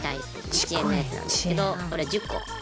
１円のやつなんですけどこれ１０個。